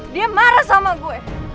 dia marah sama gue